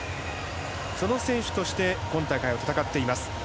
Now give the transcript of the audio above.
その選手として今大会は戦っています。